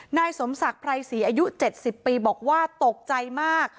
นายสมศักดิ์พระอาวุธรรมอายุเจ็ดสิบปีบอกว่าตกใจมาก